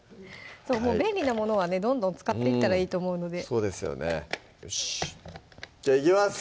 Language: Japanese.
もう便利なものはねどんどん使っていったらいいと思うのでそうですよねよしじゃあいきます